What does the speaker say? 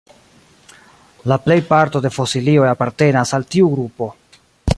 La plej parto de fosilioj apartenas al tiu grupo.